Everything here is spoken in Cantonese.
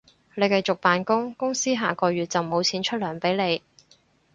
你繼續扮工，公司下個月就無錢出糧畀你